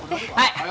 はい。